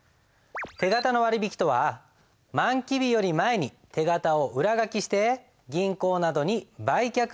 手形の割引とは満期日より前に手形を裏書して銀行などに売却する事です。